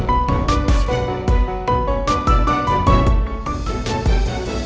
oh gak usah gue bisa sendiri kok